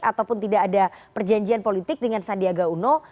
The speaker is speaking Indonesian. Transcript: ataupun tidak ada perjanjian politik dengan sandiaga uno